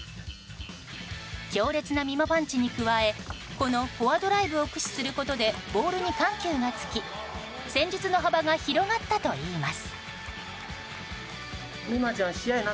強烈なみまパンチに加えこのフォアドライブを駆使することでボールに緩急がつき戦術の幅が広がったといいます。